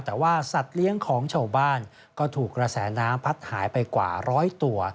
แต่ว่าสัตว์เลี้ยงของชาวบ้านก็ถูกกระแสน้ำพัดหายไปกว่าร้อยตัว